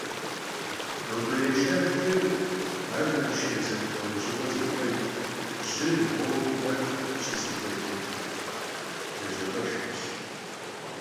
Noberêy şşaxtır — ar maşşina zemılh'eujığue zi kued, jjır ğueguxer şızebleç' lejap'eşşxueş.